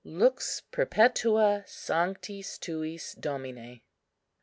LUX PERPETUA SANCTIS TUIS, DOMINE.